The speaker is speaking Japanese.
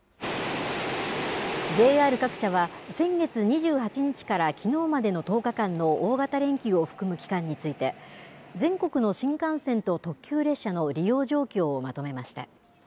ＪＲ各社は、先月２８日からきのうまでの１０日間の大型連休を含む期間について、全国の新幹線と特急列車の利用状況をまとめました。